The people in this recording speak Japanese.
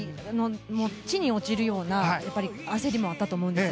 地に落ちるような焦りもあったと思うんです。